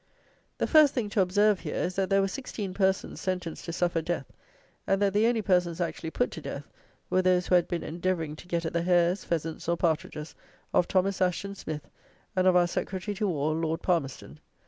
The first thing to observe here is, that there were sixteen persons sentenced to suffer death; and that the only persons actually put to death, were those who had been endeavouring to get at the hares, pheasants or partridges of Thomas Asheton Smith, and of our Secretary at War, Lord Palmerston.